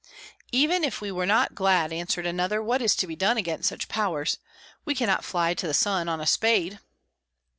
"Even if we were not glad," answered another, "what is to be done against such power? We cannot fly to the sun on a spade."